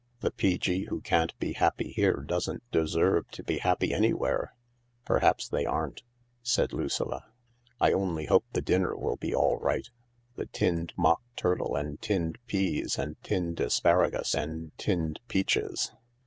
"The P.G. who can't be happy here doesn't deserve to be happy anywhere." " Perhaps they aren't," said Lucilla. " I only hope the dinner will be all right. The tinned mock turtle and tinned peas and tinned asparagus and tinned peaches.